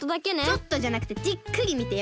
ちょっとじゃなくてじっくりみてよ！